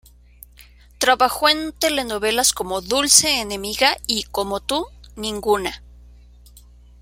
Trabajó en telenovelas como "Dulce enemiga" y "Como tú, ninguna".